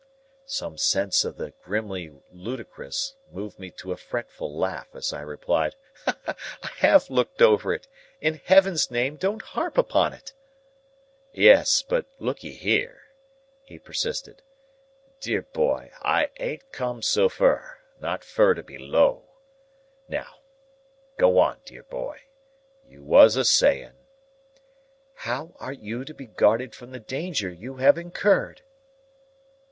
Some sense of the grimly ludicrous moved me to a fretful laugh, as I replied, "I have looked over it. In Heaven's name, don't harp upon it!" "Yes, but look'ee here," he persisted. "Dear boy, I ain't come so fur, not fur to be low. Now, go on, dear boy. You was a saying—" "How are you to be guarded from the danger you have incurred?"